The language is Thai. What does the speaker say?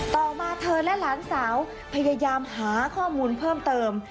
ต่อมาเธอและหลานสาวพยายามหาข้อมูลเพิ่มเติม